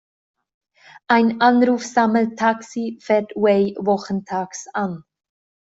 Ein Anruf-Sammel-Taxi fährt Wey wochentags an.